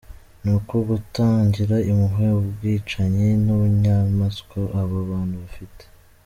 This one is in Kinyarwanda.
Ni uku kutagira impuhwe, ubwicanyi n’ubunyamaswa aba bantu bafite?